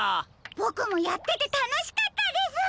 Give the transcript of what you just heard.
ボクもやっててたのしかったです。